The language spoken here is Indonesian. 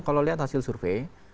kalau lihat hasil survei